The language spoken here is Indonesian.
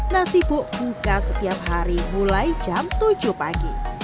nasi buk buka setiap hari mulai jam tujuh pagi